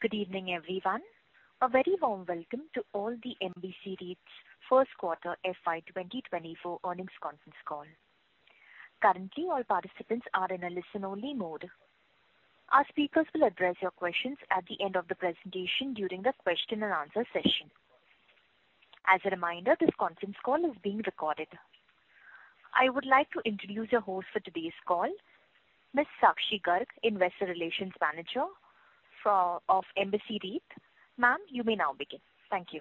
Good evening, everyone. A very warm welcome to all the Embassy REIT's First Quarter FY 2024 Earnings Conference Call. Currently, all participants are in a listen-only mode. Our speakers will address your questions at the end of the presentation during the question and answer session. As a reminder, this conference call is being recorded. I would like to introduce your host for today's call, Ms. Sakshi Garg, Investor Relations Manager of Embassy REIT. Ma'am, you may now begin. Thank you.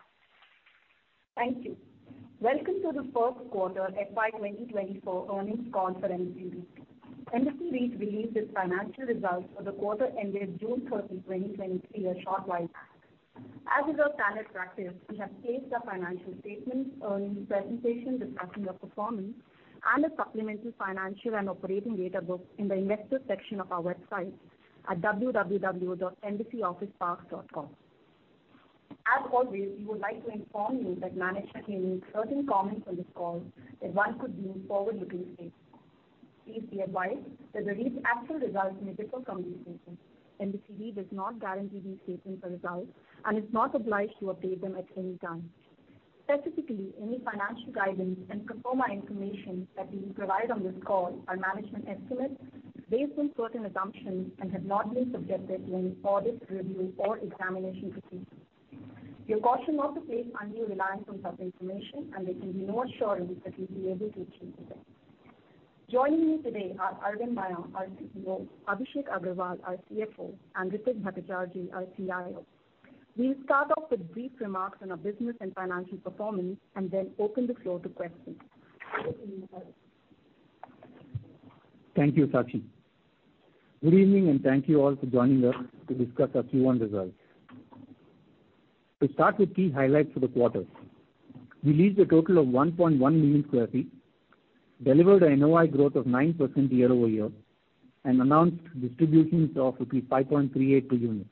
Thank you. Welcome to the First Quarter FY 2024 Earnings Call for Embassy REIT. Embassy REIT released its financial results for the quarter ended June 30, 2023, a short while back. As is our standard practice, we have placed our financial statements, earnings presentation, discussing the performance, and a supplementary financial and operating data book in the investor section of our website at www.embassyofficeparks.com. As always, we would like to inform you that management may make certain comments on this call that one could view forward-looking statements. Please be advised that the REIT's actual results may differ from these statements. Embassy REIT does not guarantee these statements or results and is not obliged to update them at any time. Specifically, any financial guidance and pro forma information that we will provide on this call are management estimates based on certain assumptions and have not been subjected to any audit review or examination procedures. We caution not to place undue reliance on such information, there can be no assurance that we'll be able to achieve them. Joining me today are Aravind Maiya, our CEO; Abhishek Agrawal, our CFO; and Ritwik Bhattacharjee, our CIO. We'll start off with brief remarks on our business and financial performance then open the floor to questions. Aravind Maiya? Thank you, Sakshi. Good evening, and thank you all for joining us to discuss our Q1 results. To start with key highlights for the quarter, we leased a total of 1.1 million sq ft, delivered an NOI growth of 9% year-over-year, and announced distributions of rupees 5.38 per unit.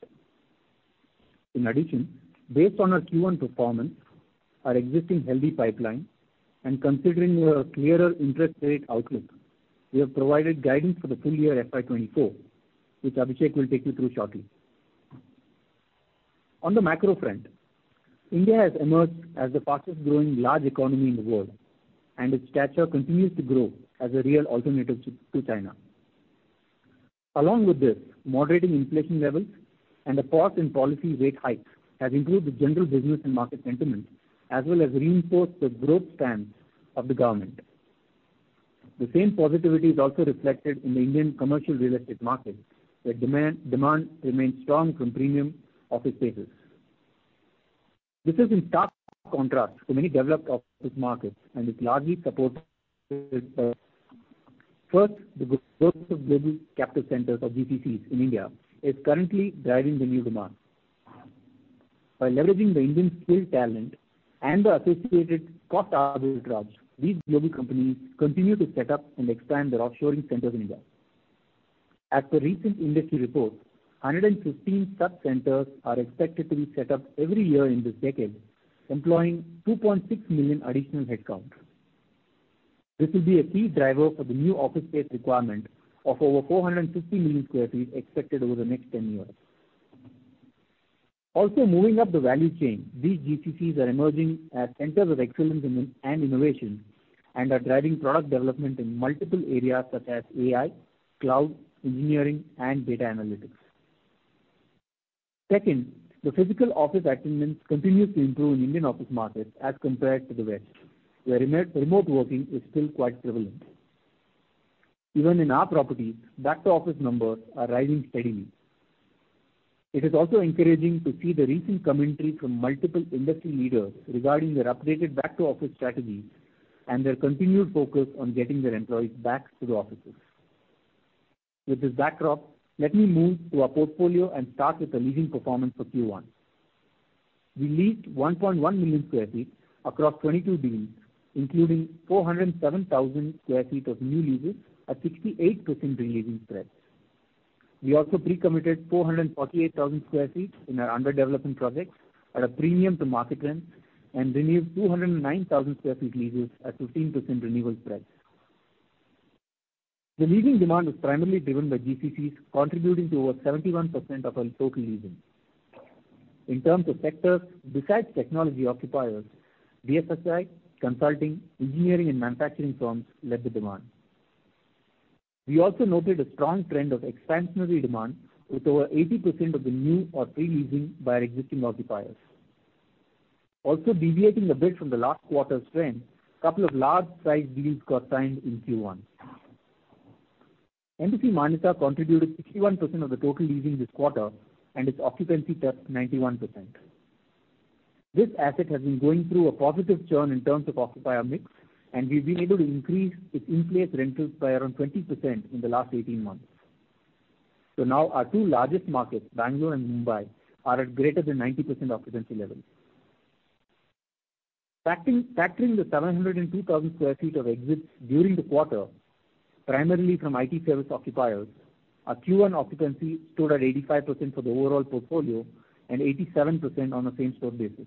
In addition, based on our Q1 performance, our existing healthy pipeline, and considering a clearer interest rate outlook, we have provided guidance for the full year FY 2024, which Abhishek will take you through shortly. On the macro front, India has emerged as the fastest-growing large economy in the world, and its stature continues to grow as a real alternative to China. Along with this, moderating inflation levels and a pause in policy rate hikes has improved the general business and market sentiment, as well as reinforced the growth stance of the government. The same positivity is also reflected in the Indian commercial real estate market, where demand remains strong from premium office spaces. This is in stark contrast to many developed office markets, and it's largely supported, the growth of Global Capability Centers, or GCCs, in India, is currently driving the new demand. By leveraging the Indian skilled talent and the associated cost advantage drops, these global companies continue to set up and expand their offshoring centers in India. As per recent industry reports, 115 such centers are expected to be set up every year in this decade, employing 2.6 million additional headcount. This will be a key driver for the new office space requirement of over 450 million sq ft, expected over the next 10 years. Also, moving up the value chain, these GCCs are emerging as centers of excellence and innovation, and are driving product development in multiple areas such as AI, cloud, engineering, and data analytics. Second, the physical office attendance continues to improve in Indian office markets as compared to the West, where remote working is still quite prevalent. Even in our properties, back-to-office numbers are rising steadily. It is also encouraging to see the recent commentary from multiple industry leaders regarding their updated back-to-office strategies and their continued focus on getting their employees back to the offices. With this backdrop, let me move to our portfolio and start with the leasing performance for Q1. We leased 1.1 million sq ft across 22 deals, including 407,000 sq ft of new leases at 68% re-leasing spread. We also pre-committed 448,000 sq ft in our under-development projects at a premium to market rents and renewed 209,000 sq ft leases at 15% renewal spread. The leasing demand is primarily driven by GCCs, contributing to over 71% of our total leasing. In terms of sectors, besides technology occupiers, BFSI, consulting, engineering, and manufacturing firms led the demand. We also noted a strong trend of expansionary demand, with over 80% of the new or re-leasing by our existing occupiers. Deviating a bit from the last quarter's trend, couple of large-sized deals got signed in Q1. Embassy Manyata contributed 61% of the total leasing this quarter, its occupancy touched 91%. This asset has been going through a positive churn in terms of occupier mix, we've been able to increase its in-place rentals by around 20% in the last 18 months. Now our two largest markets, Bengaluru and Mumbai, are at greater than 90% occupancy levels. Factoring the 702,000 sq ft of exits during the quarter, primarily from IT service occupiers, our Q1 occupancy stood at 85% for the overall portfolio and 87% on a same-store basis.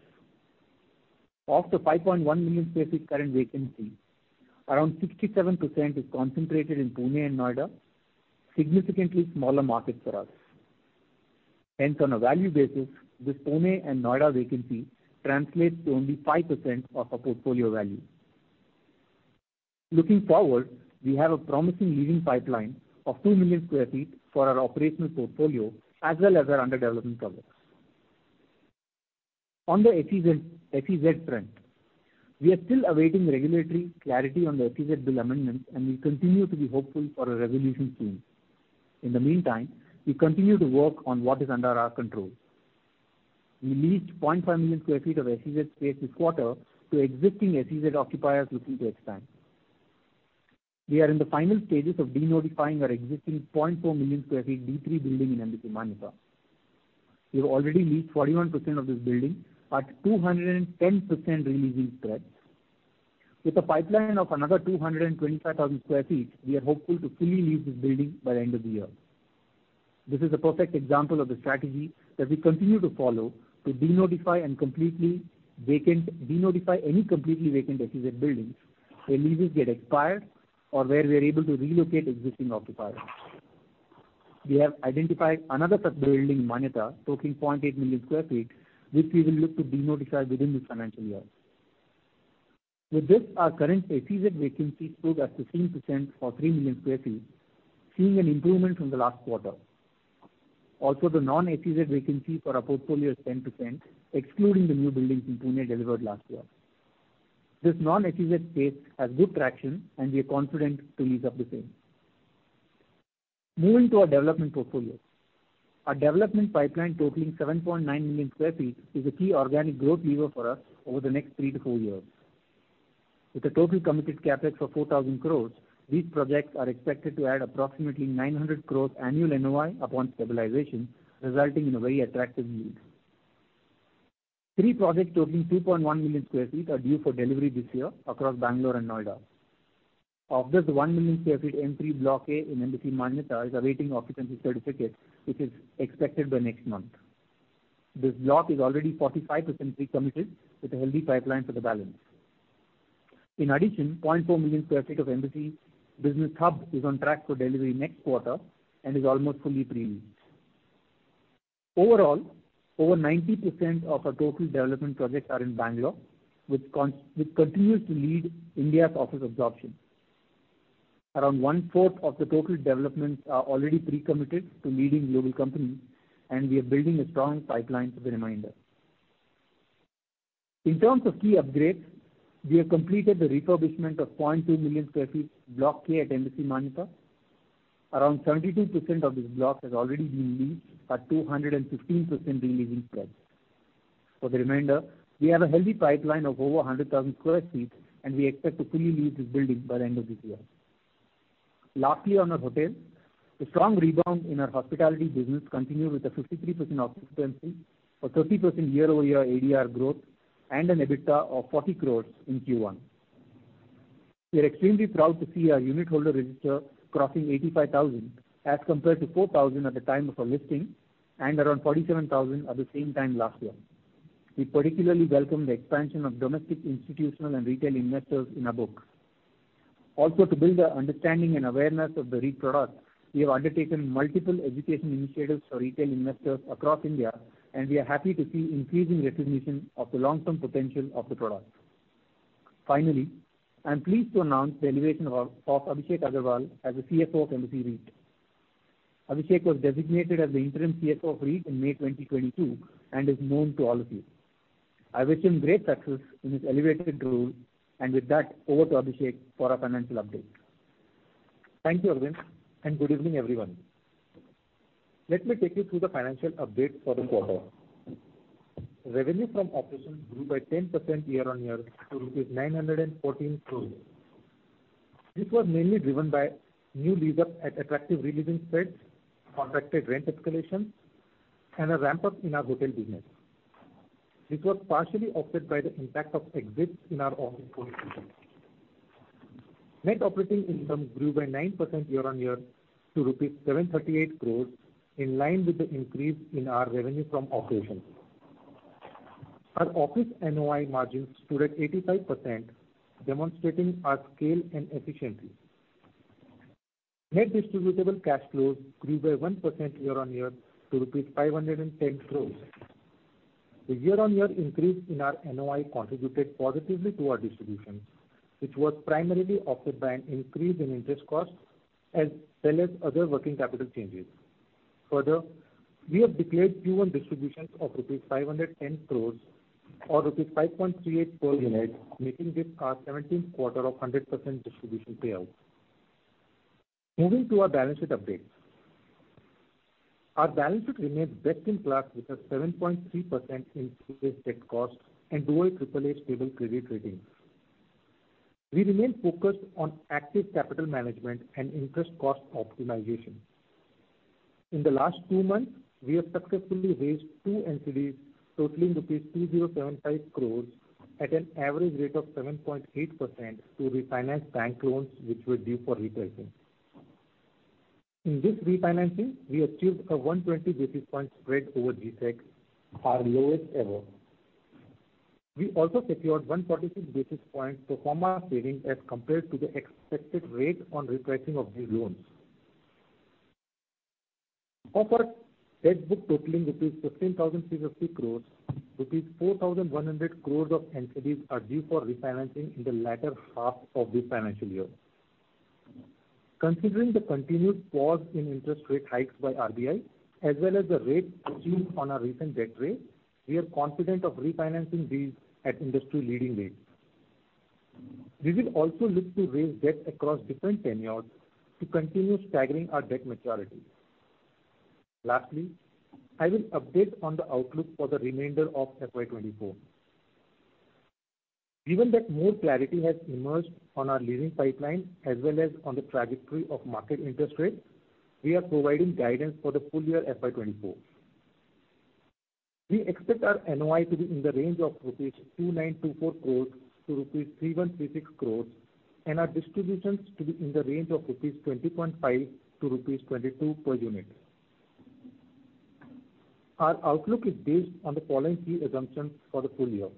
Of the 5.1 million sq ft current vacancy, around 67% is concentrated in Pune and Noida, significantly smaller markets for us. On a value basis, this Pune and Noida vacancy translates to only 5% of our portfolio value. Looking forward, we have a promising leading pipeline of 2 million square feet for our operational portfolio, as well as our under development projects. On the SEZ front, we are still awaiting regulatory clarity on the SEZ bill amendment. We continue to be hopeful for a resolution soon. In the meantime, we continue to work on what is under our control. We leased 0.5 million square feet of SEZ space this quarter to existing SEZ occupiers looking to expand. We are in the final stages of denotifying our existing 0.4 million square feet D3 building in Embassy Manyata. We've already leased 41% of this building at 210% re-leasing spreads. With a pipeline of another 225,000 square feet, we are hopeful to fully lease this building by the end of the year. This is a perfect example of the strategy that we continue to follow to denotify any completely vacant SEZ buildings, where leases get expired, or where we are able to relocate existing occupiers. We have identified another building, Manyata, totaling 0.8 million sq ft, which we will look to denotify within this financial year. With this, our current SEZ vacancy stood at 15% or 3 million sq ft, seeing an improvement from the last quarter. The non-SEZ vacancy for our portfolio is 10%, excluding the new buildings in Pune delivered last year. This non-SEZ space has good traction, and we are confident to lease up the same. Moving to our development portfolio. Our development pipeline, totaling 7.9 million sq ft, is a key organic growth lever for us over the next 3-4 years. With a total committed CapEx of 4,000 crores, these projects are expected to add approximately 900 crores annual NOI upon stabilization, resulting in a very attractive yield. Three projects, totaling 2.1 million sq ft, are due for delivery this year across Bengaluru and Noida. Of this, 1 million sq ft N3 Block A, in Embassy Manyata, is awaiting occupancy certificate, which is expected by next month. This block is already 45% pre-committed with a healthy pipeline for the balance. In addition, 0.4 million sq ft of Embassy Business Hub is on track for delivery next quarter and is almost fully pre-leased. Overall, over 90% of our total development projects are in Bengaluru, which continues to lead India's office absorption. Around one-fourth of the total developments are already pre-committed to leading global companies. We are building a strong pipeline for the remainder. In terms of key upgrades, we have completed the refurbishment of 0.2 million sq ft, Block K at Embassy Manyata. Around 72% of this block has already been leased at 215% re-leasing spreads. For the remainder, we have a healthy pipeline of over 100,000 sq ft. We expect to fully lease this building by the end of this year. Lastly, on our hotels, the strong rebound in our hospitality business continued with a 53% occupancy, a 30% year-over-year ADR growth, and an EBITDA of 40 crores in Q1. We are extremely proud to see our unitholder register crossing 85,000, as compared to 4,000 at the time of our listing and around 47,000 at the same time last year. We particularly welcome the expansion of domestic, institutional, and retail investors in our books. To build our understanding and awareness of the REIT product, we have undertaken multiple education initiatives for retail investors across India, and we are happy to see increasing recognition of the long-term potential of the product. I am pleased to announce the elevation of Abhishek Agrawal as the CFO of Embassy REIT. Abhishek was designated as the interim CFO of REIT in May 2022 and is known to all of you. I wish him great success in his elevated role, and with that, over to Abhishek for our financial update. Thank you, Aravind, and good evening, everyone. Let me take you through the financial update for the quarter. Revenue from operations grew by 10% year-on-year to rupees 914 crores. This was mainly driven by new leases at attractive re-leasing spreads, contracted rent escalation, and a ramp-up in our hotel business. This was partially offset by the impact of exits in our office portfolio. Net operating income grew by 9% year-on-year to rupees 738 crores, in line with the increase in our revenue from operations. Our office NOI margins stood at 85%, demonstrating our scale and efficiency. Net distributable cash flows grew by 1% year-on-year to rupees 510 crores. The year-on-year increase in our NOI contributed positively to our distributions, which was primarily offset by an increase in interest costs, as well as other working capital changes. We have declared Q1 distributions of rupees 510 crores or rupees 5.38 per unit, making this our 17th quarter of 100% distribution payout. Moving to our balance sheet update. Our balance sheet remains best in class, with a 7.3% increased debt cost and dual AAA stable credit rating. We remain focused on active capital management and interest cost optimization. In the last two months, we have successfully raised two NCDs, totaling rupees 2,075 crores at an average rate of 7.8% to refinance bank loans, which were due for refinancing. In this refinancing, we achieved a 120 basis point spread over GSEC, our lowest ever. We also secured 146 basis points pro forma savings as compared to the expected rate on repricing of new loans. Of our debt book totaling rupees 15,600 crore, rupees 4,100 crore of entities are due for refinancing in the latter half of this financial year. Considering the continued pause in interest rate hikes by RBI, as well as the rate achieved on our recent debt raise, we are confident of refinancing these at industry leading rates. We will also look to raise debt across different tenures to continue staggering our debt maturity. I will update on the outlook for the remainder of FY 2024. Given that more clarity has emerged on our leasing pipeline as well as on the trajectory of market interest rates, we are providing guidance for the full year FY 2024. We expect our NOI to be in the range of 2,924 crores-3,136 crores rupees, and our distributions to be in the range of 20.5-22 rupees per unit. Our outlook is based on the following key assumptions for the full year.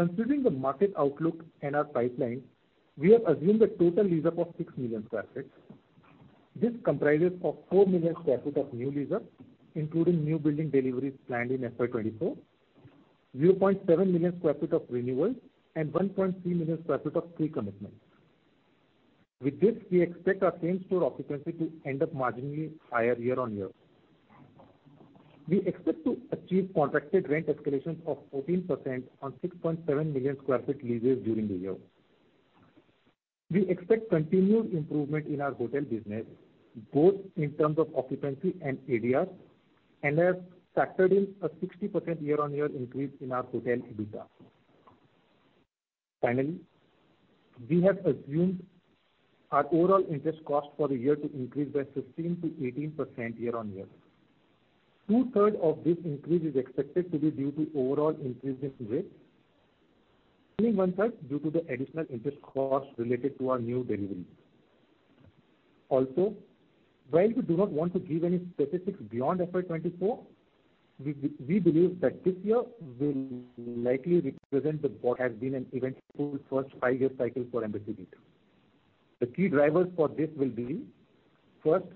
Considering the market outlook and our pipeline, we have assumed a total lease-up of 6 million sq ft. This comprises of 4 million sq ft of new lease-up, including new building deliveries planned in FY24, 0.7 million sq ft of renewals, and 1.3 million sq ft of pre-commitments. With this, we expect our same store occupancy to end up marginally higher year-on-year. We expect to achieve contracted rent escalations of 14% on 6.7 million sq ft leases during the year. We expect continued improvement in our hotel business, both in terms of occupancy and areas, and have factored in a 60% year-on-year increase in our hotel EBITDA. Finally, we have assumed our overall interest cost for the year to increase by 15%-18% year-on-year. Two-third of this increase is expected to be due to overall increase in rates, and one-third due to the additional interest costs related to our new deliveries. Also, while we do not want to give any specifics beyond FY 2024, we believe that this year will likely represent what has been an eventful first five-year cycle for Embassy REIT. The key drivers for this will be, first,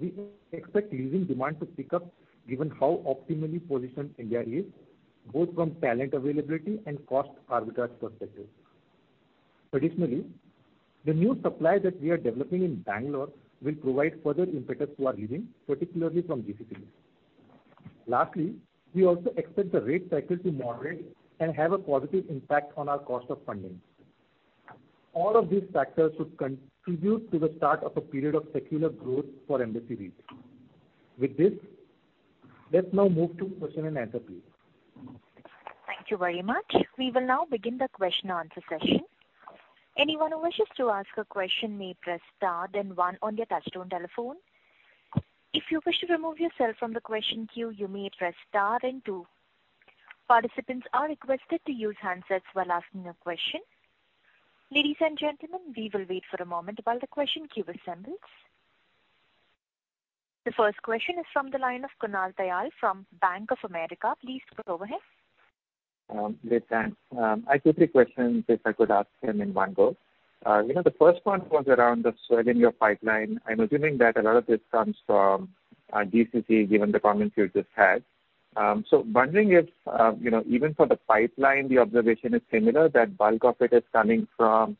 we expect leasing demand to pick up, given how optimally positioned India is, both from talent availability and cost arbitrage perspective. Traditionally, the new supply that we are developing in Bengaluru will provide further impetus to our leasing, particularly from GCC. Lastly, we also expect the rate cycle to moderate and have a positive impact on our cost of funding. All of these factors should contribute to the start of a period of secular growth for Embassy REIT. With this, let's now move to question and answer, please. Thank you very much. We will now begin the question-and-answer session. Anyone who wishes to ask a question may press star then one on your touchtone telephone. If you wish to remove yourself from the question queue, you may press star then two. Participants are requested to use handsets while asking a question. Ladies and gentlemen, we will wait for a moment while the question queue assembles. The first question is from the line of Kunal Tayal from Bank of America. Please go ahead. Great, thanks. I have two, three questions, if I could ask them in one go. You know, the first one was around the swell in your pipeline. I'm assuming that a lot of this comes from GCC, given the comments you just had. Wondering if, you know, even for the pipeline, the observation is similar, that bulk of it is coming from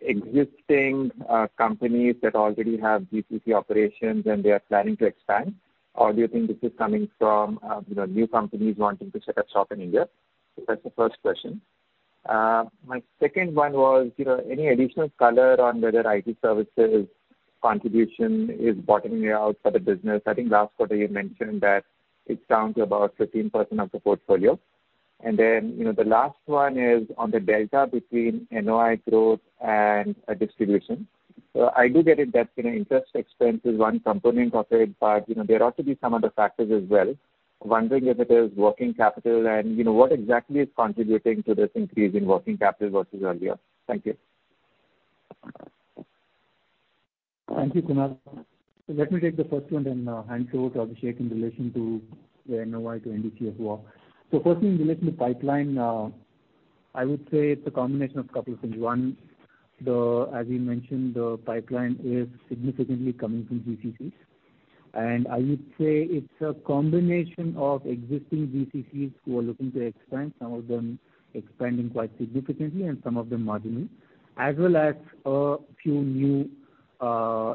existing companies that already have GCC operations and they are planning to expand? Or do you think this is coming from, you know, new companies wanting to set up shop in India? That's the first question. My second one was, you know, any additional color on whether IT services contribution is bottoming out for the business? I think last quarter you mentioned that it's down to about 15% of the portfolio. You know, the last one is on the delta between NOI growth and distribution. I do get it that, you know, interest expense is one component of it, but, you know, there are to be some other factors as well. Wondering if it is working capital and, you know, what exactly is contributing to this increase in working capital versus earlier? Thank you. Thank you, Kunal. Let me take the first one and hand over to Abhishek in relation to the NOI to NDCF walk. First, in relation to pipeline, I would say it's a combination of couple of things. One, as we mentioned, the pipeline is significantly coming from GCCs. I would say it's a combination of existing GCCs who are looking to expand, some of them expanding quite significantly and some of them marginally, as well as a few new,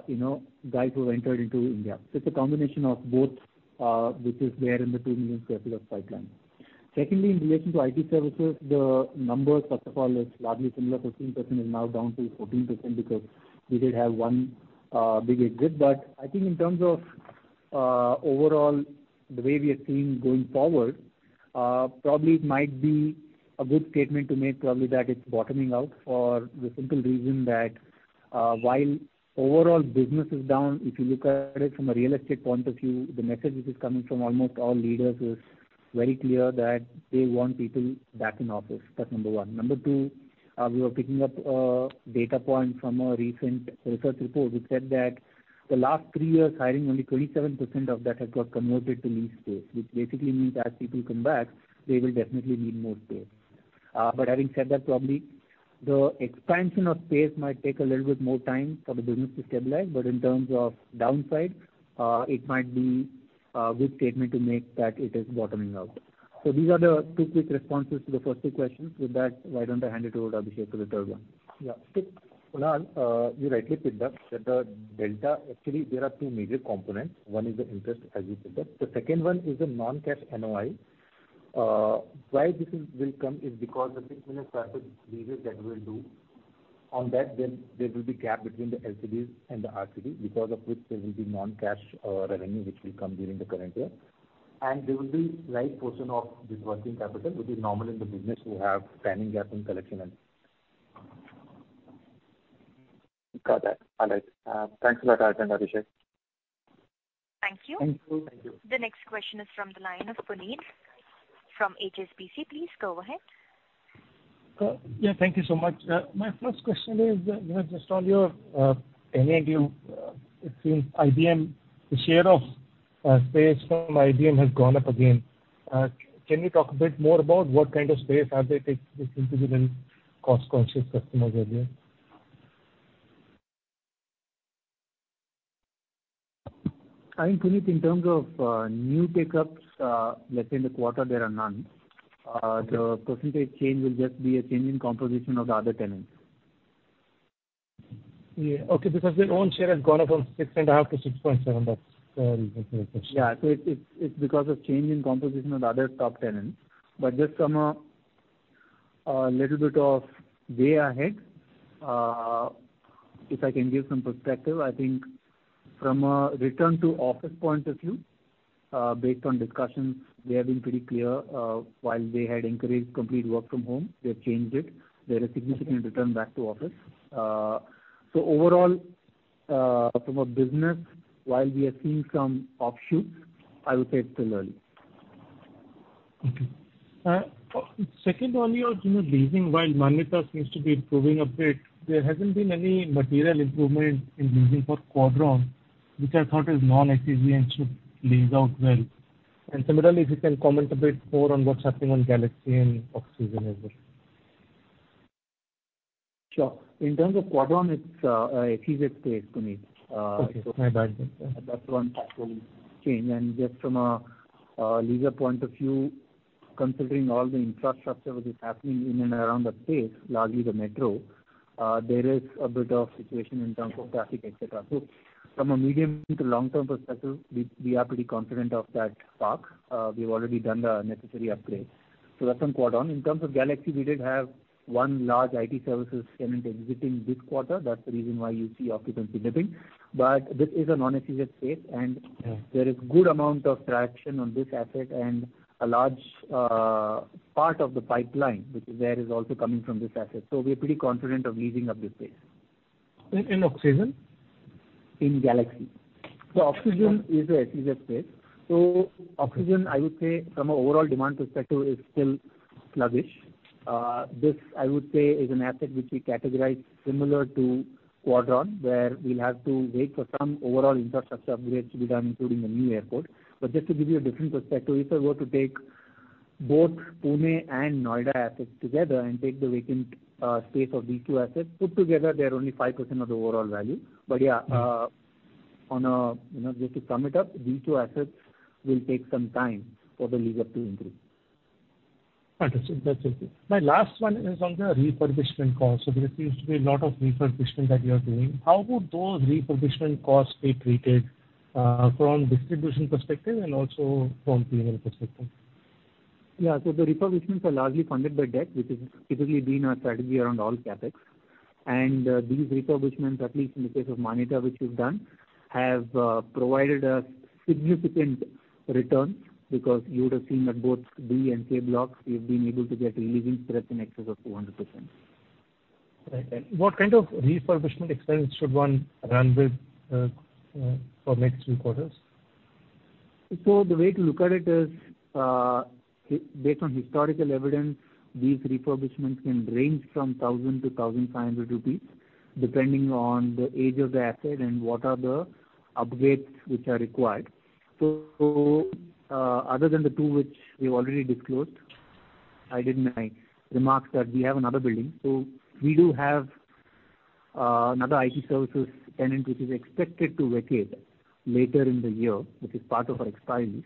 you know, guys who have entered into India. It's a combination of both, which is there in the 2 million sq ft of pipeline. Secondly, in relation to IT services, the numbers, first of all, is largely similar. 15% is now down to 14% because we did have one big exit. I think in terms of overall, the way we are seeing going forward, probably it might be a good statement to make, probably that it's bottoming out for the simple reason that while overall business is down, if you look at it from a realistic point of view, the message which is coming from almost all leaders is very clear that they want people back in office. That's number one. Number two, we were picking up a data point from a recent research report which said that the last three years, hiring only 27% of that has got converted to lease space, which basically means as people come back, they will definitely need more space. Having said that, probably the expansion of space might take a little bit more time for the business to stabilize. In terms of downside, it might be a good statement to make that it is bottoming out. These are the two quick responses to the first two questions. With that, why don't I hand it over to Abhishek for the third one? Yeah. Kunal, you rightly picked up that actually, there are two major components. One is the interest, as you said. The second one is the non-cash NOI. Why this is will come is because I think we have started leases that will do on that, then there will be gap between the LCVs and the RCV, because of which there will be non-cash revenue, which will come during the current year. There will be right portion of this working capital, which is normal in the business, will have timing gap in collection and. Got that. All right. Thanks a lot, Aravind and Abhishek. Thank you. Thank you. Thank you. The next question is from the line of Puneet from HSBC. Please go ahead. Yeah, thank you so much. My first question is, you know, just on your NID, it seems IBM, the share of space from IBM has gone up again. Can you talk a bit more about what kind of space have they taken, this into the very cost-conscious customers earlier? I think, Puneet, in terms of new pickups, let's say in the quarter, there are none. The percentage change will just be a change in composition of the other tenants. Yeah. because their own share has gone up from six and a half to 6.7. That's the reason for my question. Yeah. It's because of change in composition of the other top tenants. Just from a little bit of way ahead, if I can give some perspective, I think from a return to office point of view, based on discussions, they have been pretty clear, while they had encouraged complete work from home, they've changed it. There is significant return back to office. Overall, from a business, while we are seeing some offshoots, I would say it's still early. Okay. Second, on your, you know, leasing, while Manyata seems to be improving a bit, there hasn't been any material improvement in leasing for Quadron, which I thought is non-SEZ and should lease out well. Similarly, if you can comment a bit more on what's happening on Galaxy and Oxygen as well. Sure. In terms of Quadron, it's SEZ space, Puneet. Okay, my bad. That one actually changed. Just from a leader point of view, considering all the infrastructure which is happening in and around the space, largely the metro, there is a bit of situation in terms of traffic, et cetera. From a medium to long-term perspective, we are pretty confident of that park. We've already done the necessary upgrades. That's on Quadron. In terms of Galaxy, we did have one large IT services tenant exiting this quarter. That's the reason why you see occupancy dipping. This is a non-SEZ space. Yeah And there is good amount of traction on this asset and a large, part of the pipeline, which is there, is also coming from this asset. We are pretty confident of leasing up this space. In Oxygen? In Galaxy. Oxygen is a SEZ space. Oxygen, I would say from an overall demand perspective, is still sluggish. This, I would say, is an asset which we categorize similar to Quadron, where we'll have to wait for some overall infrastructure upgrades to be done, including the new airport. Just to give you a different perspective, if I were to take both Pune and Noida assets together and take the vacant space of these two assets, put together, they are only 5% of the overall value. Yeah, you know, just to sum it up, these two assets will take some time for the lease up to increase. Understood. That's it. My last one is on the refurbishment cost. There seems to be a lot of refurbishment that you are doing. How would those refurbishment costs be treated from distribution perspective and also from premium perspective? Yeah. The refurbishments are largely funded by debt, which has typically been our strategy around all CapEx. These refurbishments, at least in the case of Manyata, which is done, have provided a significant return because you would have seen that both B and K blocks, we've been able to get a re-leasing spread in excess of 200%. Right. What kind of refurbishment expense should one run with for next three quarters? The way to look at it is, based on historical evidence, these refurbishments can range from 1,000-1,500 rupees, depending on the age of the asset and what are the upgrades which are required. Other than the two which we've already disclosed, I did my remarks that we have another building. We do have another IT services tenant, which is expected to vacate later in the year, which is part of our expiry lease.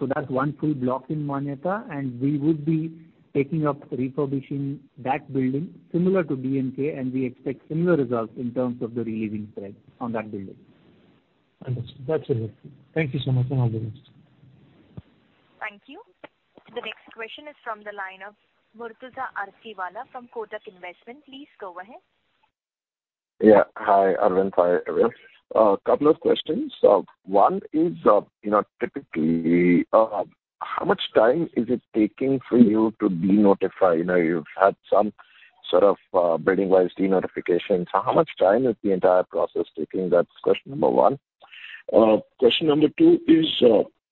That's one full block in Manyata, and we would be taking up refurbishing that building similar to B and K, and we expect similar results in terms of the re-leasing spread on that building. Understood. That's it. Thank you so much, and all the best. Thank you. The next question is from the line of Murtuza Arsiwalla from Kotak Institutional Equities. Please go ahead. Yeah. Hi, Aravind, hi, everyone. A couple of questions. One is, you know, typically, how much time is it taking for you to denotify? You know, you've had some sort of building-wise denotification. How much time is the entire process taking? That's question number one. Question number two is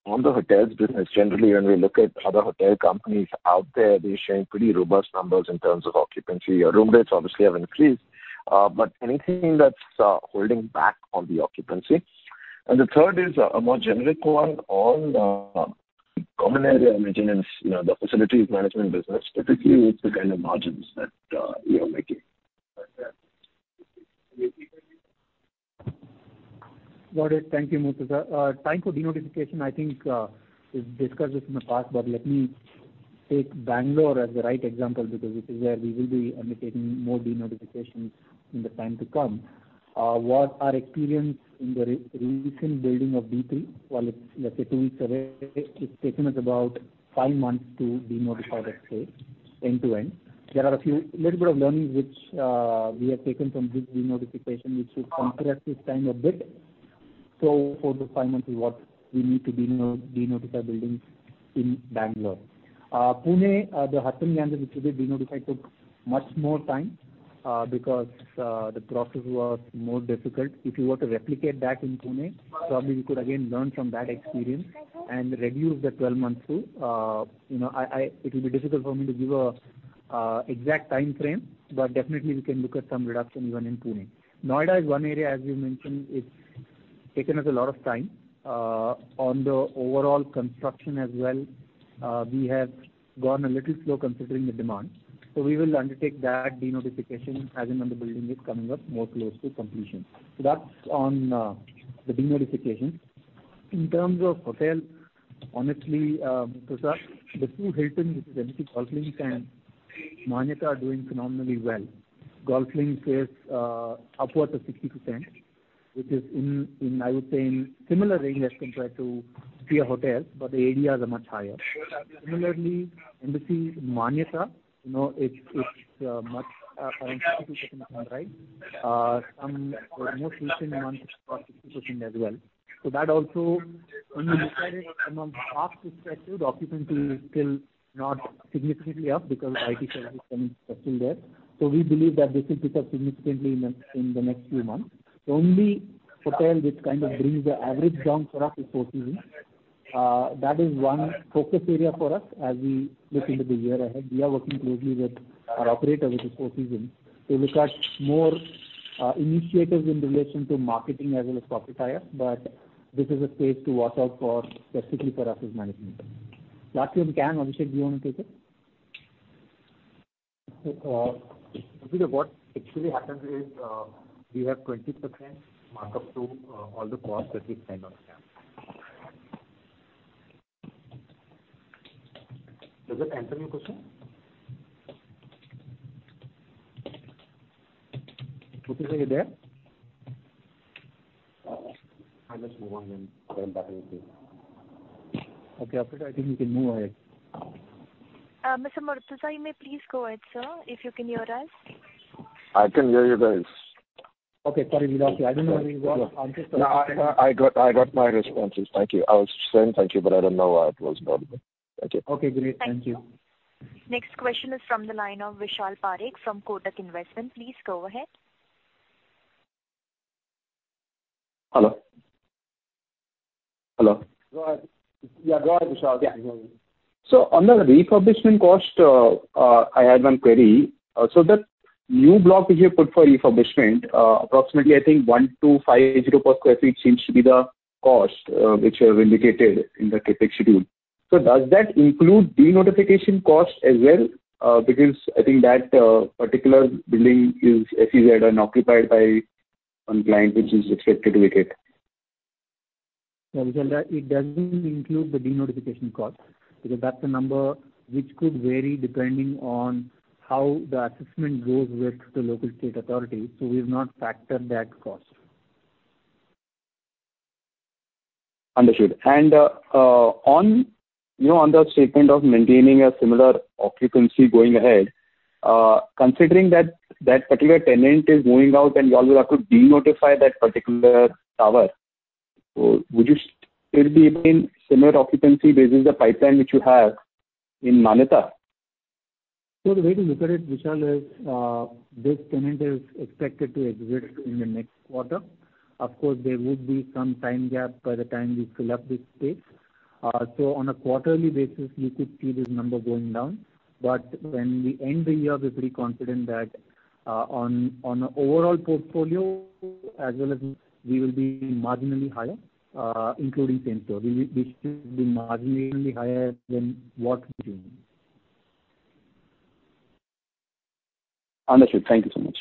on the hotels business. Generally, when we look at other hotel companies out there, they're showing pretty robust numbers in terms of occupancy. Your room rates obviously have increased, but anything that's holding back on the occupancy? The third is a more generic one on common area maintenance, you know, the facilities management business, specifically with the kind of margins that you are making. Got it. Thank you, Murtuza. Time for de-notification, I think, we've discussed this in the past, but let me take Bengaluru as the right example, because it is where we will be undertaking more de-notifications in the time to come. What our experience in the recent building of D3, well, it's let's say two weeks away, it's taken us about five months to de-notify that space end-to-end. There are a few little bit of learnings which we have taken from this de-notification, which should compress this time a bit. For the five months, what we need to de-notify buildings in Bengaluru. Pune, the Hilton which will be de-notified, took much more time, because the process was more difficult. If you were to replicate that in Pune, probably we could again learn from that experience and reduce the 12 months to, you know, It will be difficult for me to give a exact time frame, but definitely we can look at some reduction even in Pune. Noida is one area, as you mentioned, it's taken us a lot of time, on the overall construction as well. We have gone a little slow considering the demand, so we will undertake that denotification as and when the building is coming up more close to completion. That's on the denotification. In terms of hotel, honestly, Murtuza, the two Hiltons, which is Embassy Golf Links and Manyata, are doing phenomenally well. Golf Links is upwards of 60%, which is in, I would say, in similar range as compared to peer hotels, but the ADRs are much higher. Embassy Manyata, you know, it's much around 62%, right? Some more recent months, about 60% as well. That also, when we look at it from a past perspective, occupancy is still not significantly up because IT services coming still there. We believe that this will pick up significantly in the next few months. The only hotel which kind of brings the average down for us is Four Seasons. That is one focus area for us as we look into the year ahead. We are working closely with our operator, which is Four Seasons, to look at more initiatives in relation to marketing as well as profit higher. This is a space to watch out for, specifically for us as management. Lastly, we can, Abhishek, do you want to take it? Murtuza, what actually happens is, we have 20% markup to, all the costs that we sign off now. Does that answer your question? Murtuza, are you there? I must move on and come back with you. Okay. Abhishek, I think we can move ahead. Mr. Murtuza, you may please go ahead, sir, if you can hear us. I can hear you guys. Okay. Sorry we lost you. I didn't know where you were. No, I got my responses. Thank you. I was saying thank you, but I don't know why it was not. Thank you. Okay, great. Thank you. Thank you. Next question is from the line of Vishal Parekh from Kotak Investment. Please go ahead. Hello? Hello. Go ahead. Yeah, go ahead, Vishal. Yeah, I can hear you. On the refurbishment cost, I had one query. That new block which you put for refurbishment, approximately, I think 1,250 per sq ft seems to be the cost which you have indicated in the CapEx schedule. Does that include denotification costs as well? Because I think that particular building is SEZ and occupied by one client, which is expected to vacate. Vishal, it doesn't include the denotification cost, because that's a number which could vary depending on how the assessment goes with the local state authority, so we've not factored that cost. Understood. On the statement of maintaining a similar occupancy going ahead, considering that particular tenant is moving out and you also have to de-notify that particular tower, would you still be able similar occupancy basis, the pipeline which you have in Manyata? The way to look at it, Vishal, is, this tenant is expected to exit in the next quarter. Of course, there would be some time gap by the time we fill up this space. On a quarterly basis, you could see this number going down. When we end the year, we're pretty confident that on an overall portfolio as well as we will be marginally higher, including same store. We should be marginally higher than what we doing. Understood. Thank you so much.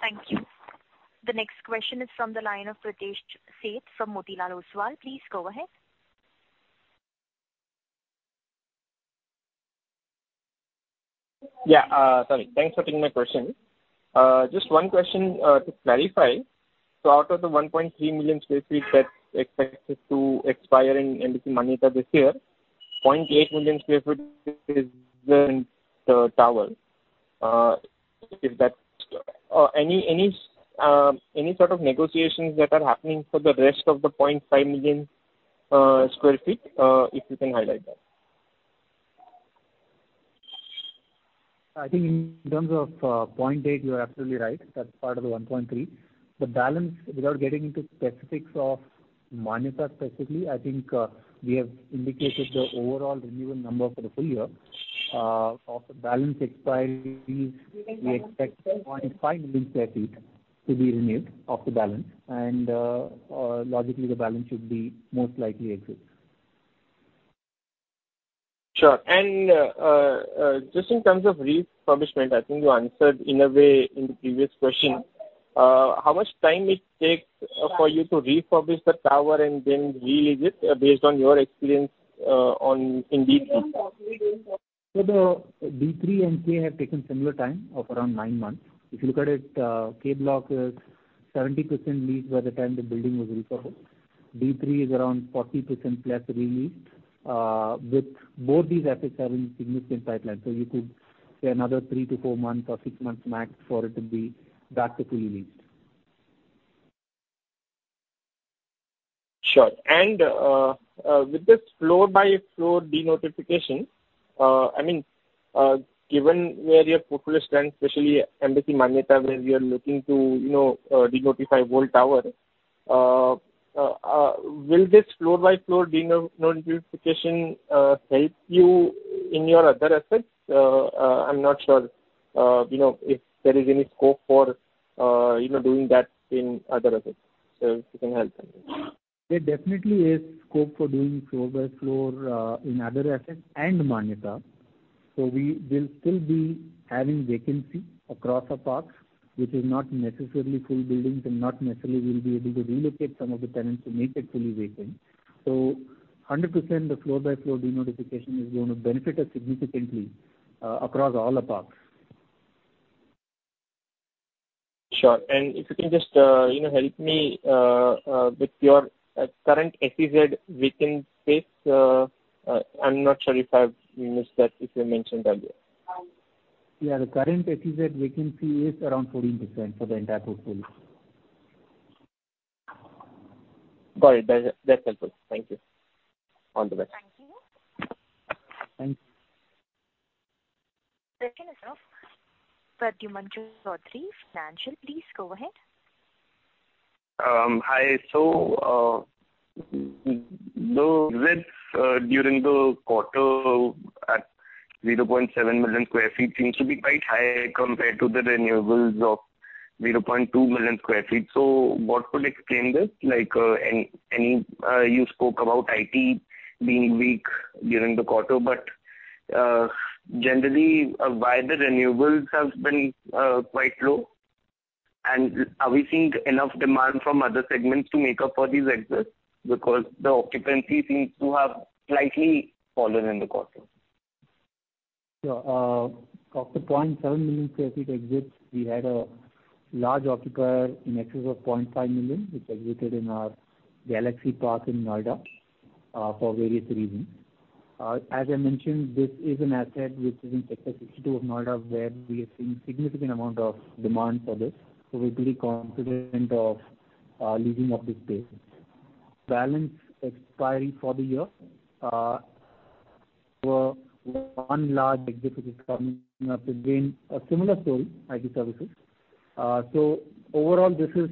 Thank you. The next question is from the line of Pritesh Sheth from Motilal Oswal. Please go ahead. Yeah. sorry. Thanks for taking my question. just one question to clarify. Out of the 1.3 million sq ft that's expected to expire in Embassy Manyata this year, 0.8 million square foot is in the tower. is that... any sort of negotiations that are happening for the rest of the 0.5 million sq ft, if you can highlight that? I think in terms of, 0.8, you're absolutely right. That's part of the 1.3. The balance, without getting into specifics of Manyata specifically, I think, we have indicated the overall renewal number for the full year. Of the balance expiry, we expect 0.5 million sq ft to be renewed off the balance, and, logically, the balance should be most likely exit. Sure. Just in terms of refurbishment, I think you answered in a way in the previous question. How much time it takes for you to refurbish the tower and then re-lease it, based on your experience, on in D3? The D3 and K have taken similar time of around nine months. If you look at it, K Block is 70% leased by the time the building was refurbished. D3 is around 40% plus re-leased. With both these assets are in significant pipeline, you could say another three to four months or six months max for it to be back to fully leased. Sure. With this floor-by-floor denotification, I mean, given where your portfolio stands, especially Embassy Manyata, where you are looking to, you know, denotify whole tower, will this floor-by-floor de-notification help you in your other assets? I'm not sure, you know, if there is any scope for, you know, doing that in other assets. If you can help. There definitely is scope for doing floor by floor in other assets and Manyata. We will still be having vacancy across our parks, which is not necessarily full buildings, and not necessarily we'll be able to relocate some of the tenants to make it fully vacant. 100%, the floor-by-floor denotification is going to benefit us significantly across all the parks. Sure. If you can just, you know, help me with your current SEZ vacant space, I'm not sure if I've missed that, if you mentioned earlier? Yeah, the current SEZ vacancy is around 14% for the entire portfolio. Got it. That, that's helpful. Thank you. All the best. Thank you. Thank you. Second is, Pradyuman Chaudhari. [inaudible] Please go ahead. Hi. The exits during the quarter at 0.7 million sq ft seems to be quite high compared to the renewals of 0.2 million sq ft. What would explain this? Like any, you spoke about IT being weak during the quarter, but generally why the renewals has been quite low? Are we seeing enough demand from other segments to make up for these exits? Because the occupancy seems to have slightly fallen in the quarter. Of the 0.7 million sq ft exits, we had a large occupier in excess of 0.5 million, which exited in our Galaxy Park in Noida for various reasons. As I mentioned, this is an asset which is in Sector 62 of Noida, where we are seeing significant amount of demand for this. We're pretty confident of leasing of this space. Balance expiry for the year were one large exit, which is coming up again, a similar story, IT services. Overall, this is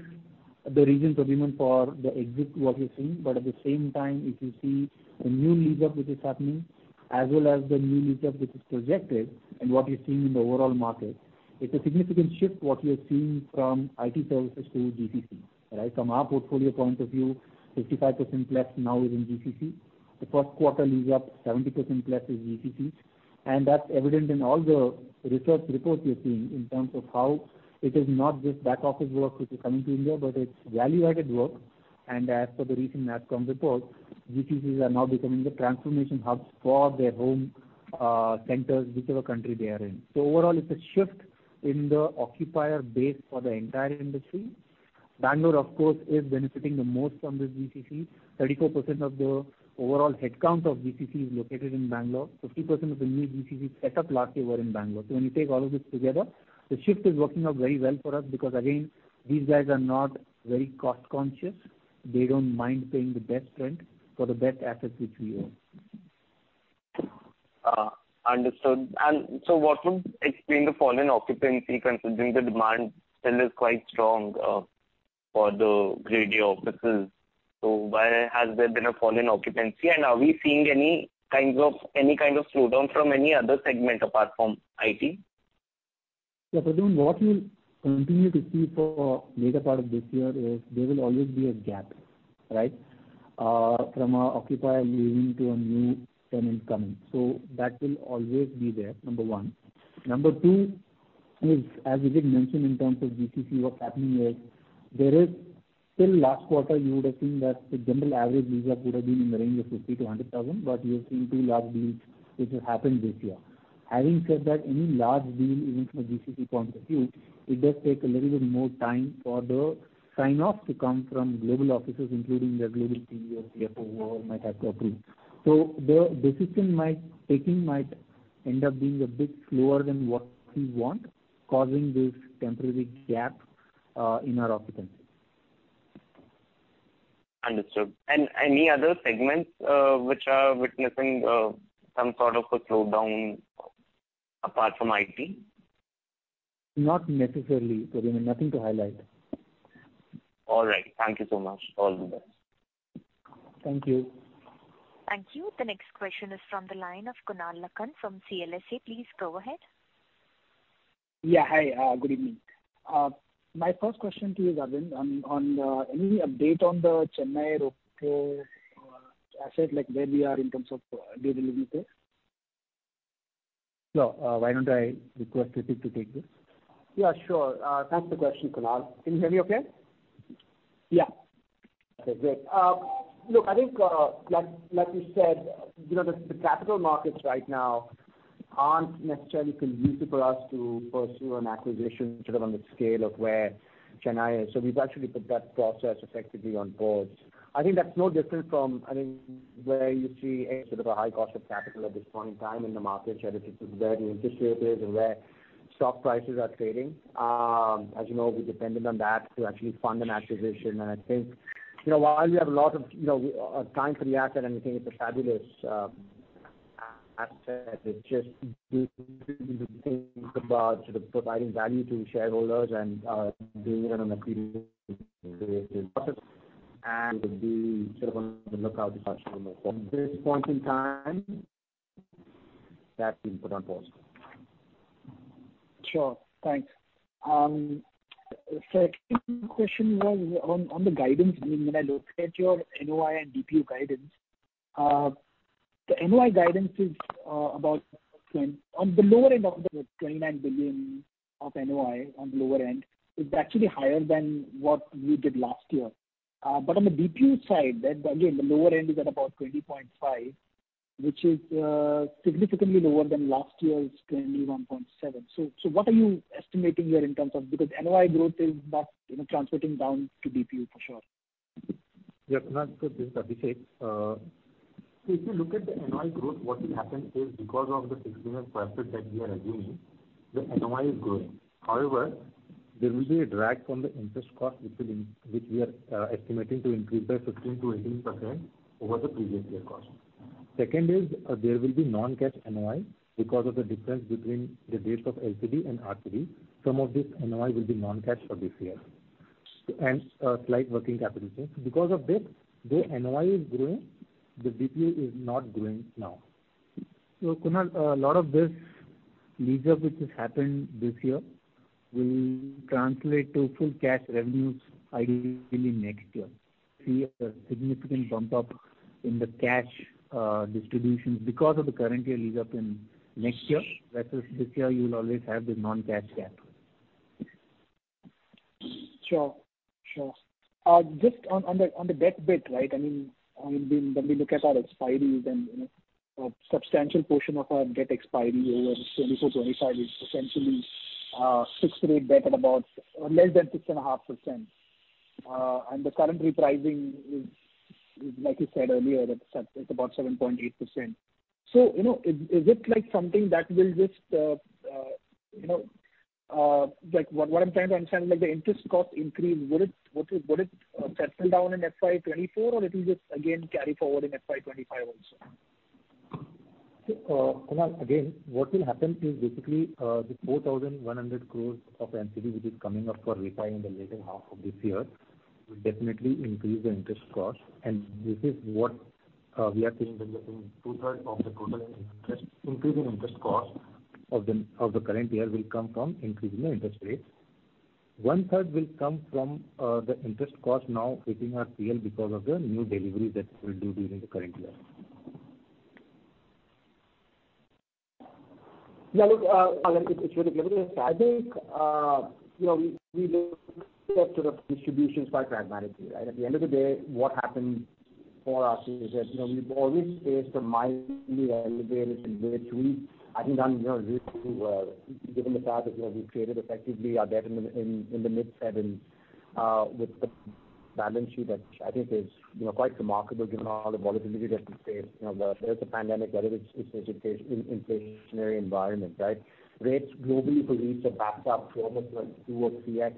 the reason for the exit what we're seeing. At the same time, if you see the new lease-up, which is happening, as well as the new lease-up which is projected and what you're seeing in the overall market, it's a significant shift what we are seeing from IT services to GCC, right? From our portfolio point of view, 55% plus now is in GCC. The first quarter lease-up, 70% plus is GCC. That's evident in all the research reports you're seeing in terms of how it is not just back office work which is coming to India, but it's value-added work. As per the recent NASSCOM report, GCCs are now becoming the transformation hubs for their home centers, whichever country they are in. Overall, it's a shift in the occupier base for the entire industry. Bangalore, of course, is benefiting the most from this GCC. 34% of the overall headcount of GCC is located in Bangalore. 50% of the new GCC set up last year were in Bangalore. When you take all of this together, the shift is working out very well for us because, again, these guys are not very cost conscious. They don't mind paying the best rent for the best assets which we own. Understood. What would explain the fall in occupancy, considering the demand still is quite strong, for the Grade A offices? Why has there been a fall in occupancy, and are we seeing any kind of slowdown from any other segment apart from IT? Pradyuman, what we'll continue to see for later part of this year is there will always be a gap, right? From an occupier leaving to a new tenant coming. That will always be there, number one. Number two is, as Vikas mentioned, in terms of GCC, what's happening is till last quarter, you would have seen that the general average lease up would have been in the range of 50,000-100,000, but you have seen two large deals which have happened this year. Any large deal even from a GCC point of view, it does take a little bit more time for the sign-off to come from global offices, including their global CEO, CFO, who all might have to approve. The decision might end up being a bit slower than what we want, causing this temporary gap in our occupancy. Understood. Any other segments, which are witnessing, some sort of a slowdown apart from IT? Not necessarily, but I mean, nothing to highlight. All right. Thank you so much. All the best. Thank you. Thank you. The next question is from the line of Kunal Lakhan from CLSA. Please go ahead. Hi, good evening. My first question to you, Aravind, on any update on the Chennai ROFO asset, like where we are in terms of delivery there? No, why don't I request Ritwik to take this? Yeah, sure. Thanks for the question, Kunal. Can you hear me okay? Yeah. Okay, great. look, I think, like you said, you know, the capital markets right now aren't necessarily conducive for us to pursue an acquisition sort of on the scale of where Chennai is. We've actually put that process effectively on pause. I think that's no different from, I mean, where you see a sort of a high cost of capital at this point in time in the market, where the interest rate is and where stock prices are trading. As you know, we depended on that to actually fund an acquisition. I think, you know, while we have a lot of, you know, time for the asset, and we think it's a fabulous, asset, it's just to think about sort of providing value to shareholders and, doing it on a periodic process. We sort of on the lookout for this point in time, that's been put on pause. Sure. Thanks. Second question was on the guidance. I mean, when I look at your NOI and DPU guidance, the NOI guidance is about 10. On the lower end of the 29 billion of NOI on the lower end is actually higher than what we did last year. On the DPU side, again, the lower end is at about 20.5, which is significantly lower than last year's 21.7. What are you estimating here in terms of. Because NOI growth is not, you know, translating down to DPU for sure. Kunal, this is Abhishek. If you look at the NOI growth, what will happen is because of the 16% that we are assuming, the NOI is growing. However, there will be a drag from the interest cost, which we are estimating to increase by 15%-18% over the previous year cost. Second is, there will be non-cash NOI because of the difference between the dates of LPD and RPD. Some of this NOI will be non-cash for this year, and slight working capital change. Because of this, the NOI is growing, the DPU is not growing now. Kunal, a lot of this lease-up, which has happened this year, will translate to full cash revenues ideally next year. See a significant bump up in the cash distribution because of the current year lease up in next year. Whereas this year you will always have the non-cash gap. Sure. Just on the debt bit, right? I mean, when we look at our expiries and, you know, a substantial portion of our debt expiry over 2024, 2025 is essentially fixed rate debt at about less than 6.5%. The current repricing is like you said earlier, it's about 7.8%. You know, is it like something that will just, you know, like, what I'm trying to understand, like the interest cost increase, would it settle down in FY 2024, or it will just again carry forward in FY 2025 also? Kunal, again, what will happen is basically, the 4,100 crores of NCD, which is coming up for refi in the latter half of this year, will definitely increase the interest cost. This is what we are saying, that in two-third of the total interest, increase in interest cost of the, of the current year will come from increasing the interest rates. One-third will come from the interest cost now hitting our PL because of the new deliveries that we'll do during the current year. Look, it's really clear. I think, you know, we look at sort of distributions quite pragmatically, right? At the end of the day, what happens for us is that, you know, we've always faced a mildly elevated environment. I think I'm, you know, given the fact that, you know, we've created effectively our debt in the mid sevens, with the balance sheet, that I think is, you know, quite remarkable given all the volatility that we face. You know, whether it's a pandemic, whether it's an inflationary environment, right? Rates globally for lease are backed up to almost like 2x or 3x,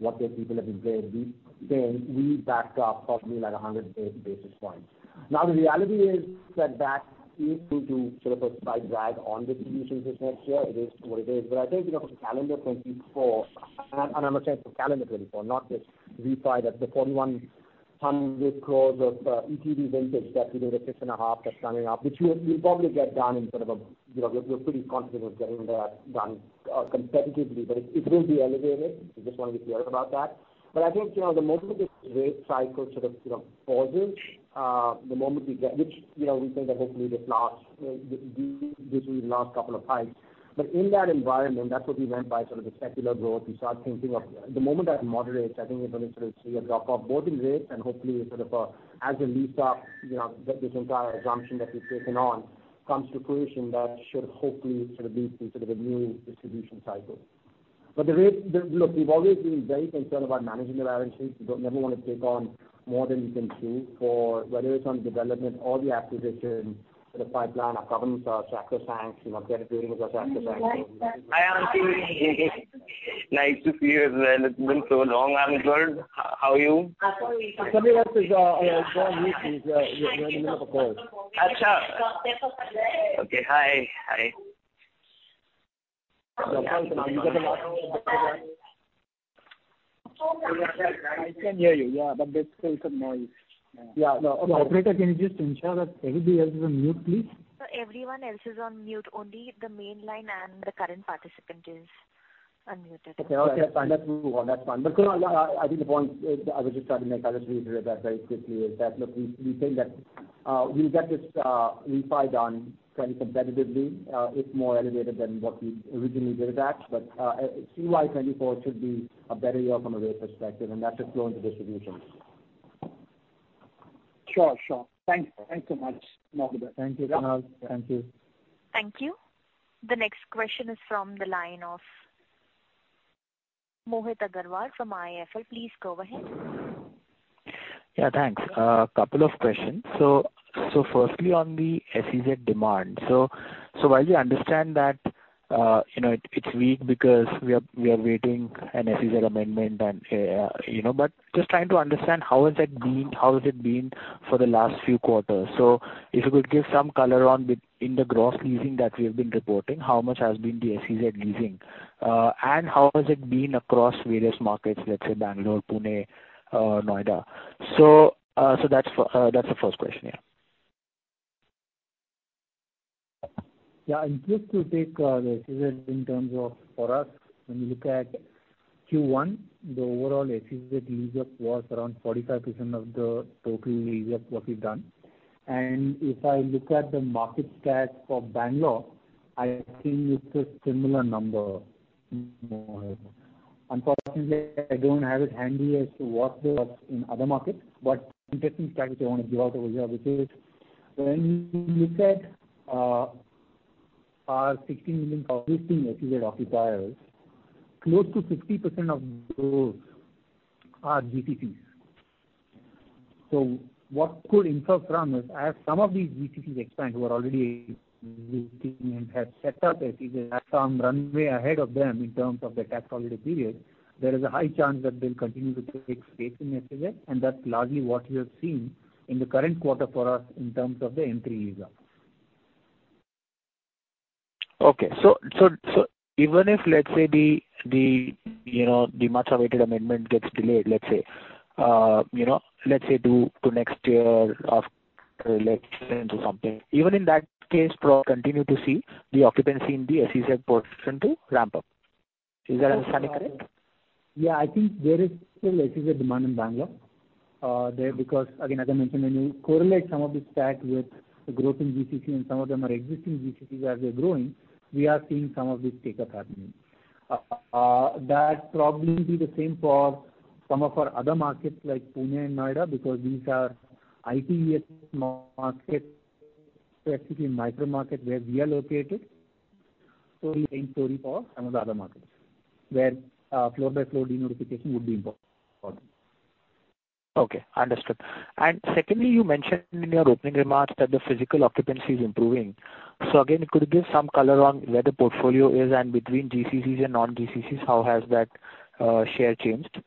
what their people have been saying. We backed up probably like 100 basis points. The reality is that that is going to sort of a slight drag on distributions this next year. It is what it is. I think, you know, for calendar 2024, and I'm saying for calendar 2024, not just refi, that the 4,100 crores of NCD vintage that we did at 6.5%, that's coming up, which we'll probably get done in sort of a, you know, we're pretty confident of getting that done competitively, but it will be elevated. I just want to be clear about that. I think, you know, the moment this rate cycle sort of, you know, pauses, the moment we get, which, you know, we think that hopefully this last, this will be the last couple of hikes. In that environment, that's what we meant by sort of the secular growth. We start thinking of the moment that moderates, I think you're going to sort of see a drop-off both in rates and hopefully sort of, as a lease-up, you know, this entire assumption that we've taken on comes to fruition, that should hopefully sort of lead to sort of a new distribution cycle. The rate... Look, we've always been very concerned about managing the balance sheet. We don't never want to take on more than we can chew for, whether it's on development or the acquisition. The pipeline of governance, our sector banks, you know, credit rating as our sector banks. I can hear you, yeah, but there's still some noise. Yeah, the operator, can you just ensure that everybody else is on mute, please? Everyone else is on mute, only the main line and the current participant is unmuted. Okay, fine. Let's move on. That's fine. Yeah, I think the point I was just trying to make, I'll just reiterate that very quickly, is that, look, we think that we'll get this refi done quite competitively. It's more elevated than what we originally did it at. FY 2024 should be a better year from a rate perspective, and that should flow into distributions. Sure. Thanks so much. Thank you, Kunal. Thank you. Thank you. The next question is from the line of Mohit Agrawal from IIFL. Please go ahead. Yeah, thanks. Couple of questions. Firstly, on the SEZ demand. While we understand that, you know, it's weak because we are waiting an SEZ amendment and you know. Just trying to understand, how has it been for the last few quarters? If you could give some color on in the gross leasing that we've been reporting, how much has been the SEZ leasing, and how has it been across various markets, let's say Bengaluru, Pune, Noida? That's the first question. Yeah. Yeah, just to take the SEZ in terms of, for us, when you look at Q1, the overall SEZ lease-up was around 45% of the total lease-up what we've done. If I look at the market stat for Bengaluru, I think it's a similar number. Unfortunately, I don't have it handy as to what it was in other markets. Interesting stat which I want to give out over here, which is when you look at our 16 million existing SEZ occupiers, close to 50% of those are GCCs. What could infer from is, as some of these GCCs expand, who are already living and have set up SEZ, have some runway ahead of them in terms of the tax holiday period, there is a high chance that they'll continue to take space in SEZ, and that's largely what we have seen in the current quarter for us in terms of the entry lease-up. So even if, let's say, the, you know, the much-awaited amendment gets delayed, let's say, you know, let's say due to next year of elections or something, even in that case, Pro continue to see the occupancy in the SEZ portion to ramp up. Is that understanding correct? Yeah, I think there is still SEZ demand in Bangalore, there, because, again, as I mentioned, when you correlate some of the stats with the growth in GCC and some of them are existing GCCs as they're growing, we are seeing some of this take-up happening. That probably will be the same for some of our other markets like Pune and Noida, because these are ITES markets, actually micro market where we are located. The same story for some of the other markets, where, floor by floor denotification would be important for them. Okay, understood. Secondly, you mentioned in your opening remarks that the physical occupancy is improving. Again, could you give some color on where the portfolio is? Between GCCs and non-GCCs, how has that share changed?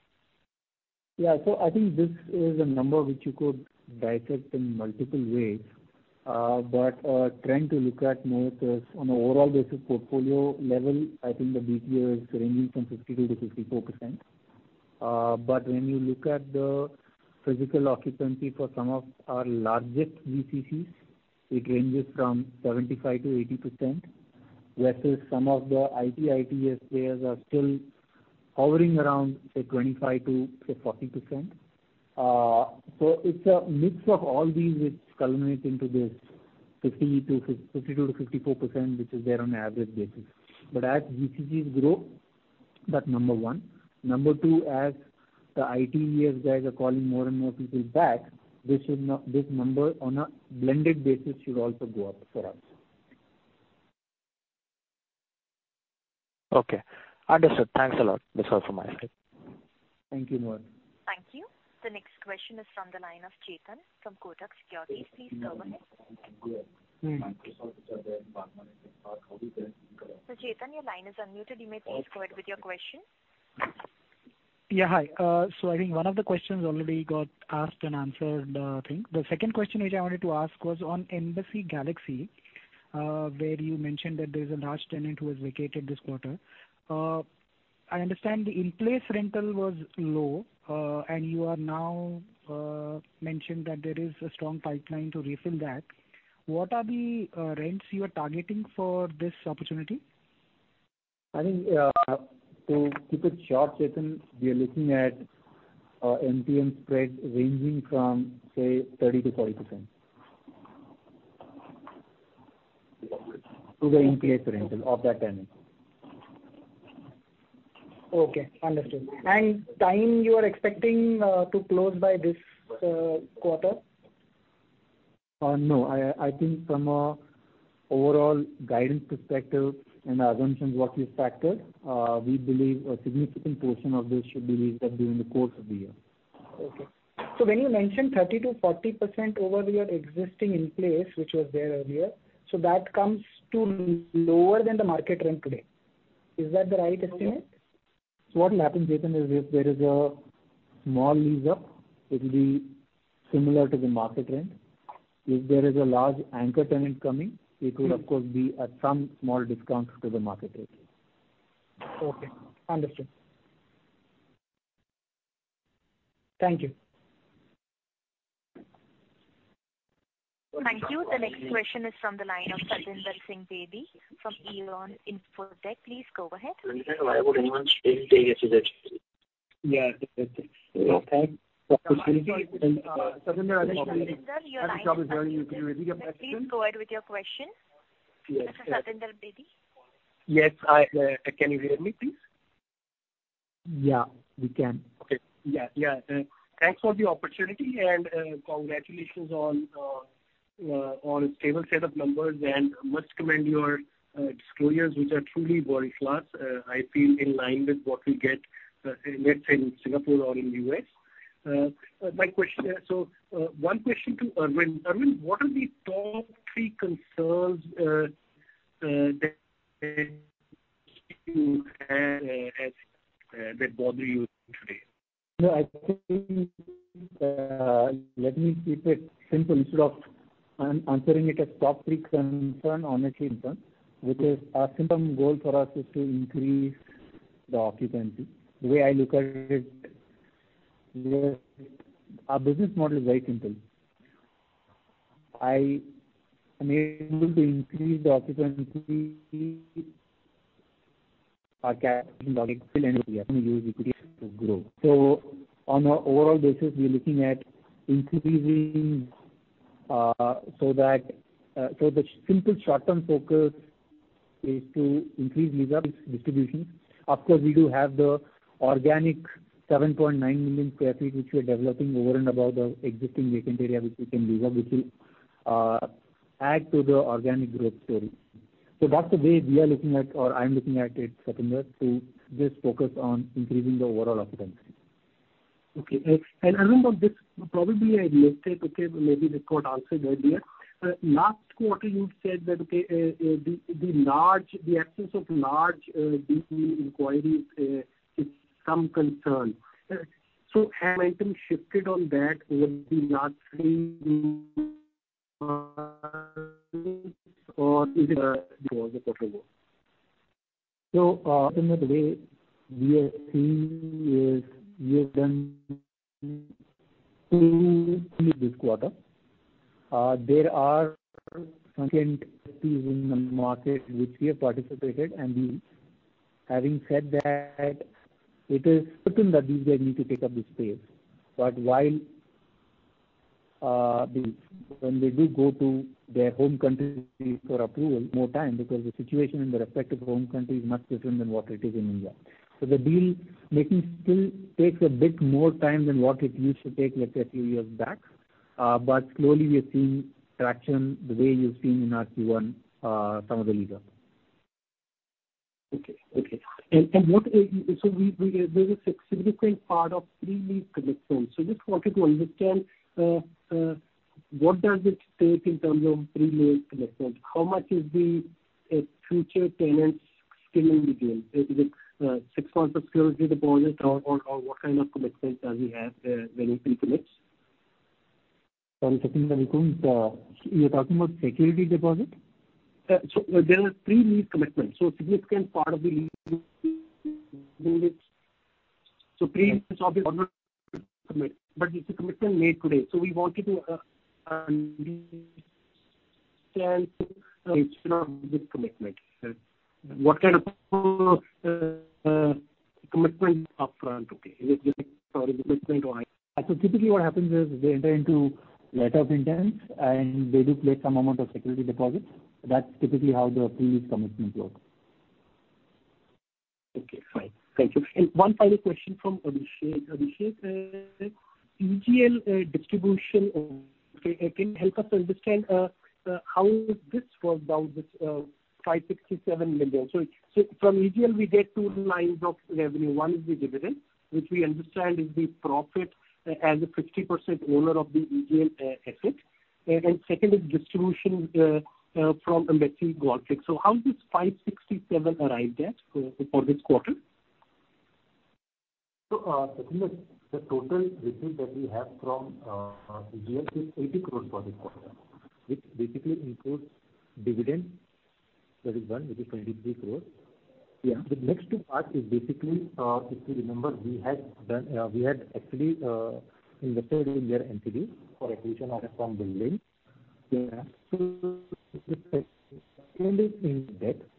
I think this is a number which you could dissect in multiple ways, trying to look at more this on overall basis, portfolio level, I think the BPO is ranging from 52%-54%. When you look at the physical occupancy for some of our largest GCCs, it ranges from 75%-80%, versus some of the IT/ITES players are still hovering around, say, 25%-40%. It's a mix of all these which culminates into this 52%-54%, which is there on an average basis. As GCCs grow, that's number one. Number two, as the ITES guys are calling more and more people back, this number on a blended basis should also go up for us. Okay, understood. Thanks a lot. That's all from my side. Thank you, Mohit. Thank you. The next question is from the line of Chetan from Kotak Securities. Please go ahead. Chetan, your line is unmuted. You may please go ahead with your question. Hi. I think one of the questions already got asked and answered, I think. The second question which I wanted to ask was on Embassy Galaxy, where you mentioned that there's a large tenant who has vacated this quarter. I understand the in-place rental was low, and you are now mentioned that there is a strong pipeline to refill that. What are the rents you are targeting for this opportunity? I think, to keep it short, Chetan, we are looking at a MTM spread ranging from, say, 30% to 40%. To the in-place rental of that tenant. Okay, understood. Time you are expecting to close by this quarter? No. I think from a overall guidance perspective and the assumptions what we've factored, we believe a significant portion of this should be leased up during the course of the year. When you mentioned 30%-40% over your existing in place, which was there earlier, that comes to lower than the market rent today? Is that the right estimate? What happens, Chetan, is if there is a small lease up, it will be similar to the market rent. If there is a large anchor tenant coming, it will of course be at some small discount to the market rate. Okay, understood. Thank you. Thank you. The next question is from the line of Satvinder Singh Bedi from Eon Infotech. Please go ahead. Satvinder, your line is breaking. Please go ahead with your question. Mr. Satvinder Bedi? Yes, can you hear me, please? Yeah, we can. Okay. Yeah, yeah. Thanks for the opportunity and congratulations on stable set of numbers, and much commend your disclosures, which are truly world-class. I feel in line with what we get, let's say in Singapore or in the U.S. My question... So, one question to Aravind. Aravind, what are the top three concerns that you have that bother you today? I think, let me keep it simple. Instead of answering it as top three concern, honestly concern, which is our simple goal for us is to increase the occupancy. The way I look at it, our business model is very simple. I am able to increase the occupancy, our capital, and we are going to use equity to grow. On an overall basis, we are looking at increasing, so that, so the simple short-term focus is to increase lease-up distribution. Of course, we do have the organic 7.9 million sq ft, which we are developing over and above the existing vacant area, which we can lease up, which will add to the organic growth story. That's the way we are looking at, or I'm looking at it, Satvinder, to just focus on increasing the overall occupancy. Okay. Aravind, on this, probably I'd like to, maybe this got answered earlier. Last quarter, you said that the large, the absence of large deal inquiries is some concern. Has anything shifted on that with the large or is it still the same? Satvinder, the way we are seeing is we have done two this quarter. There are in the market which we have participated, and we. Having said that, it is certain that these guys need to take up the space. While, when they do go to their home countries for approval, more time, because the situation in their respective home country is much different than what it is in India. The deal making still takes a bit more time than what it used to take, let's say, a few years back. Slowly we are seeing traction the way you've seen in our Q1, some of the leader. Okay. Okay. What we, there is a significant part of pre-lease commitments. Just wanted to understand what does it take in terms of pre-lease commitment. How much is the future tenants skin in the game? Is it six months of security deposit or what kind of commitment does he have, when he pre-lease? Satvinder, you are talking about security deposit? There are pre-lease commitments, so significant part of the lease, so pre-lease commitment, but it's a commitment made today. We wanted to understand this commitment. What kind of commitment upfront? Okay. Is it different or commitment? Typically what happens is, they enter into letter of intent, and they do place some amount of security deposit. That's typically how the pre-lease commitment works. Okay, fine. Thank you. One final question for Abhishek. Abhishek, EGL distribution, can you help us understand how this worked out, this 567 million? From EGL, we get two lines of revenue. One is the dividend, which we understand is the profit as a 50% owner of the EGL asset. Second is distribution from investment Gulf Tech. How this 567 million arrived at for this quarter? Satvinder, the total receipt that we have from EGL is 80 crore for this quarter, which basically includes dividend. That is one, which is INR 23 crore. Yeah. The next two part is basically, if you remember, we had actually invested in their entity for acquisition of a some building. Yeah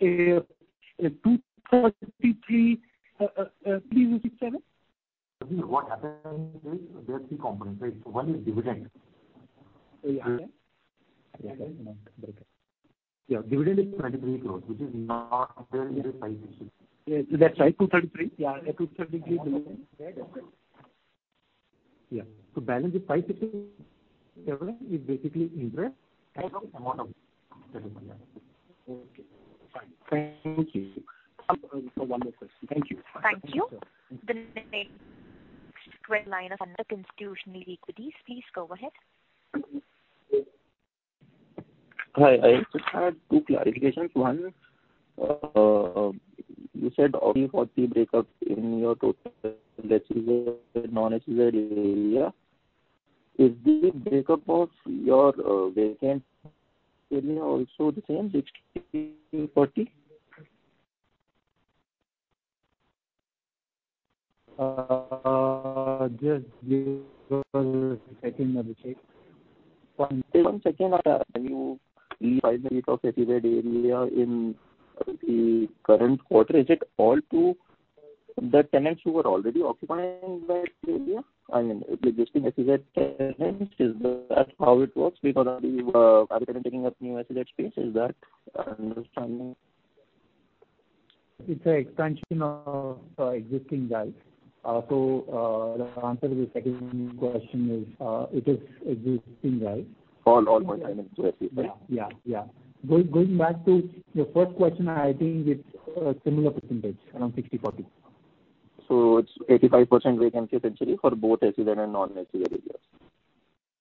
Please repeat, Satvinder. What happened is there are three components, right? One is dividend. Yeah, dividend is 23 crores, which is not there in the 5 million. Yeah, that's right, 233. Yeah, 233. Yeah. Balance is 5 million. It's basically interest amount of okay, fine. Thank you for wonderful. Thank you. Thank you. [inaudible] please go ahead. Hi, I just had two clarifications. One, you said only 40 breakup in your total non-SEZ area. Is the breakup of your vacant area also the same, 60, 40? One second. You talked SEZ area in the current quarter. Is it all to the tenants who were already occupying that area? I mean, existing SEZ tenants, is that how it works because of the taking up new SEZ space? Is that understanding? It's an expansion of existing guys. The answer to the second question is, it is existing, right? All my tenants are SEZ. Yeah. Yeah. Going back to the first question, I think it's a similar percentage, around 60, 40. It's 85% vacancy essentially for both SEZ and non-SEZ areas,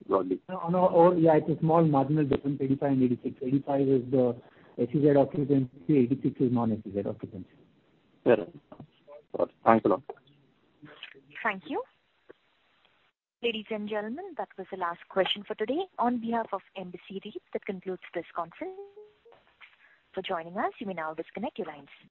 broadly? No, no. Oh, yeah, it's a small marginal difference, 85 and 86. 85 is the SEZ occupancy, 86 is non-SEZ occupancy. Fair enough. Thanks a lot. Thank you. Ladies and gentlemen, that was the last question for today. On behalf of Embassy REIT, that concludes this conference. For joining us, you may now disconnect your lines.